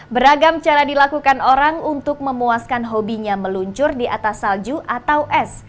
beragam cara dilakukan orang untuk memuaskan hobinya meluncur di atas salju atau es